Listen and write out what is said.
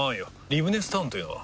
リブネスタウンというのは？